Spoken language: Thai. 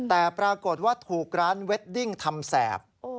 แต่ปรากฏว่าถูกร้านเวดดิ้งทำแสบ